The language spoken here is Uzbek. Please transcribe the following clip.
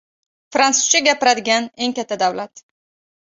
Frantsuzcha gapiradigan eng katta davlat